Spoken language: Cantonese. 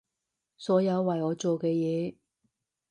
所有為我做嘅嘢